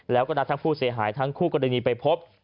แล้วก็นัดทั้งผู้เสียหายทั้งคู่กรณีไปพบ